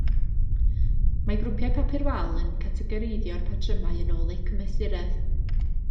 Mae grwpiau papur wal yn categoreiddio'r patrymau yn ôl eu cymesuredd.